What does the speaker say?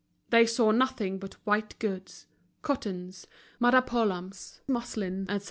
They saw nothing but white goods: cottons, madapolams, muslins, etc.